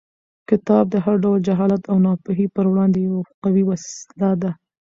کتاب د هر ډول جهالت او ناپوهۍ پر وړاندې یوه قوي وسله ده.